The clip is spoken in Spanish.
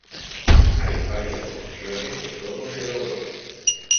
Hay varias versiones de cómo se logró.